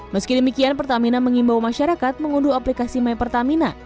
meskipun demikian pertamina mengimbau masyarakat mengunduh aplikasi mypertamina